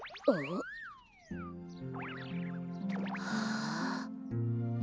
はあ。